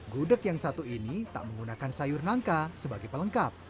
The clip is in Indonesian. gudeg yang satu ini tak menggunakan sayur nangka sebagai pelengkap